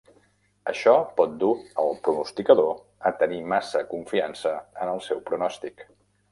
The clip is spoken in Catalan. Això pot dur el pronosticador a tenir massa confiança en el seu pronòstic.